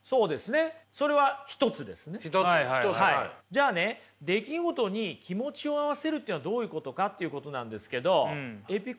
じゃあね出来事に気持ちを合わせるというのはどういうことかということなんですけどエピクテトスはですね